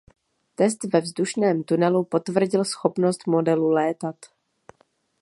Test ve vzdušném tunelu potvrdil schopnost modelu létat.